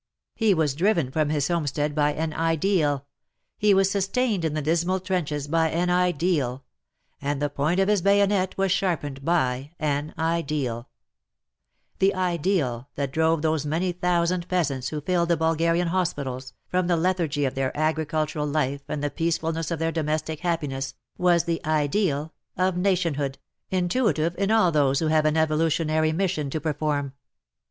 He was driven from his homestead by an Ideal, he was sustained in the dismal trenches by an Ideal, and the point of his bayonet was sharpened by an Ideal, The Ideal that drove those many thousand peasants who filled the Bulgarian hospitals, from the lethargy of their agricultural life and the peacefulness of their domestic happiness, was the Ideal of Nationhood, intuitive in all those who have an evolutionary mission to perform.